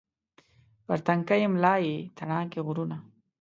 پر تنکۍ ملا یې تڼاکې غرونه